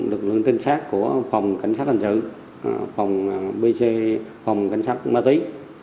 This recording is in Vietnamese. lực lượng tinh sát của phòng cảnh sát hành sự phòng cảnh sát ma tí